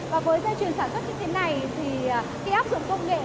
và với dây chuyền sản xuất như thế này thì khi áp dụng công nghệ